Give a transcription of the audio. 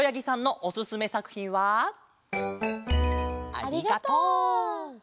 ありがとう。